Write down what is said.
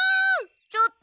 ちょっと！